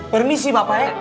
permisi bapak ya